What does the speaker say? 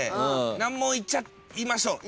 難問いっちゃいましょう。